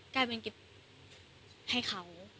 กลายเป็นเก็บให้เขา